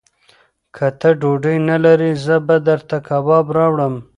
که ته ډوډۍ نه لرې، زه به درته کباب راوړم.